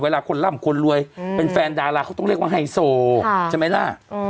เวลาคนล่ำคนเป็นแฟนดาราเขาต้องเรียกว่าใช่ไหมนะอือ